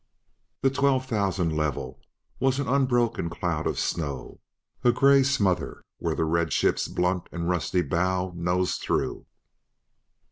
The twelve thousand level was an unbroken cloud of snow a gray smother where the red ship's blunt and rusty bow nosed through.